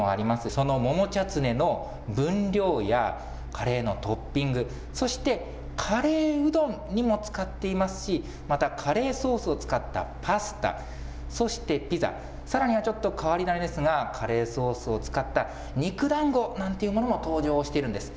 その桃チャツネの分量やカレーのトッピング、そしてカレーうどんにも使っていますし、またカレーソースを使ったパスタ、そしてピザ、さらにはちょっと変わり種ですが、カレーソースを使った肉だんごなんていうものも登場しているんです。